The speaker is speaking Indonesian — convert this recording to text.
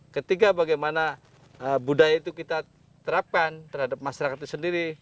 ketiga bagaimana budaya itu kita terapkan terhadap masyarakat itu sendiri